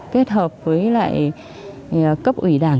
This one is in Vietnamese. kết hợp với lại cấp ủy đảng